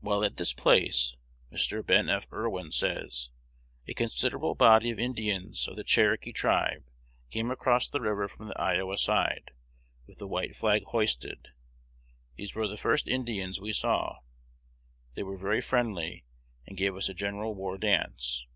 "While at this place," Mr. Ben F. Irwin says, "a considerable body of Indians of the Cherokee tribe came across the river from the Iowa side, with the white flag hoisted. These were the first Indians we saw. They were very friendly, and gave us a general war dance.